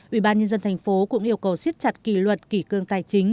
ủy ban nhân dân thành phố cũng yêu cầu siết chặt kỷ luật kỷ cương tài chính